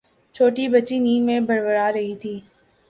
چھوٹی بچی نیند میں بڑبڑا رہی تھی